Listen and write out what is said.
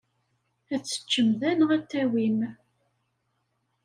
Ad t-teččem da neɣ ad t-tawim?